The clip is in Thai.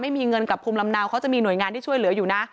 ไม่มีเงินกับภูมิลำเนาเขาจะมีหน่วยงานที่ช่วยเหลืออยู่นะ